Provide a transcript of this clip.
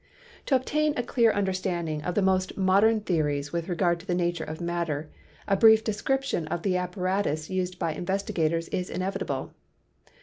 To obtain a clear understanding of the most modern theories with regard to the nature of matter, a brief de scription of the apparatus used by investigators is inevi table.